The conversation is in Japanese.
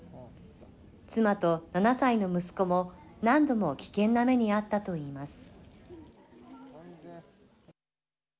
妻と７歳の息子も何度も危険な目に遭ったといいます。